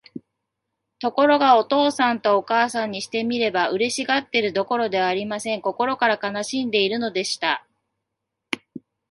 ところが、お父さんとお母さんにしてみれば、嬉しがっているどころではありません。心から悲しんでいるのでした。